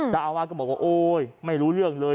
เจ้าอาวาสก็บอกว่าโอ๊ยไม่รู้เรื่องเลย